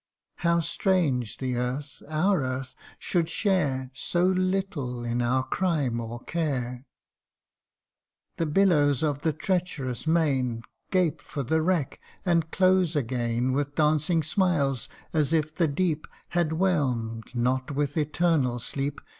How strange the earth, our earth, should share So little in our crime or care ! The billows of the treacherous main Gape for the wreck, and close again With dancing smiles, as if the deep Had whelm 'd not with eternal sleep CANTO I.